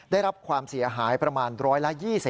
ได้รับความเสียหายประมาณ๑๒๐